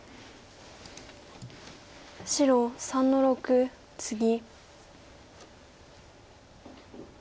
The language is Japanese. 白３の六ツギ。